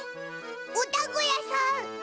おだんごやさん。